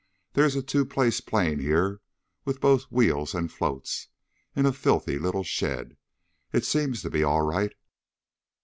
There's a two place plane here with both wheels and floats, in a filthy little shed. It seems to be all right.